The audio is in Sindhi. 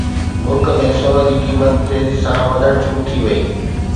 ملڪ ۾ سون جي قيمت تيزي سان وڌڻ شروع ٿي وئي